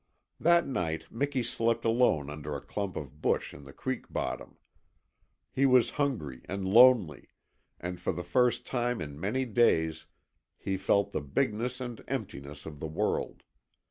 That night Miki slept alone under a clump of bush in the creek bottom. He was hungry and lonely, and for the first time in many days he felt the bigness and emptiness of the world.